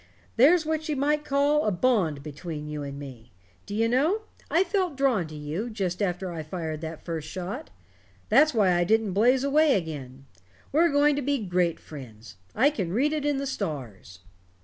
There's what you might call a bond between you and me. D'ye know, I felt drawn to you, just after I fired that first shot. That's why I didn't blaze away again. We're going to be great friends I can read it in the stars."